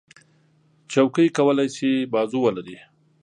چوکۍ کولی شي بازو ولري.